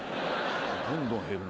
どんどん減るな。